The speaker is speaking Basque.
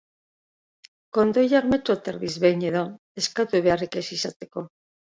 Kondoiak metro terdiz behin edo, eskatu beharrik ez izateko.